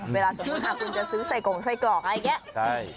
เวลาจะมาคุณจะซื้อไส้กล่องไส้กล่องอะไรอย่างนี้